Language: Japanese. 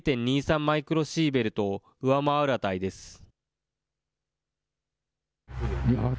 マイクロシーベルトを上回る値です。